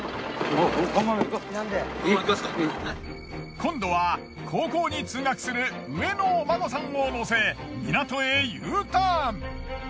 今度は高校に通学する上のお孫さんを乗せ港へＵターン。